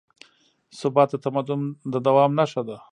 ثبات د تمدن د دوام نښه ده.